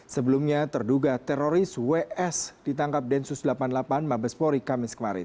sebelumnya terduga teroris ws ditangkap densus delapan puluh delapan mabespori kamis kemarin